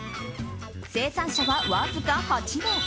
生産者はわずか８人。